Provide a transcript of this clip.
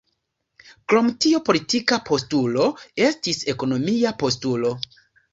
Krom tiu politika postulo, estis ekonomia postulo.